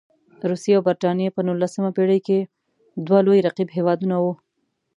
روسیې او برټانیې په نولسمه پېړۍ کې دوه لوی رقیب هېوادونه وو.